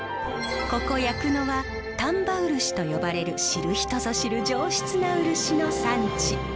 ここ夜久野は丹波漆と呼ばれる知る人ぞ知る上質な漆の産地。